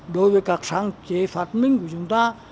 đối với các sáng chế phát minh của chúng ta